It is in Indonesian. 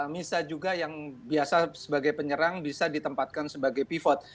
misa juga yang biasa sebagai penyerang bisa ditempatkan sebagai pivot